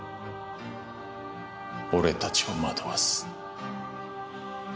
俺たちを惑わす。